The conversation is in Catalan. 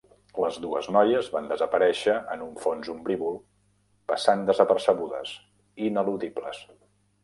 Les dues noies van desaparèixer en un fons ombrívol, passant desapercebudes, ineludibles.